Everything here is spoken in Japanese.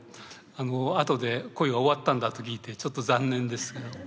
後で恋が終わったんだと聞いてちょっと残念ですけど。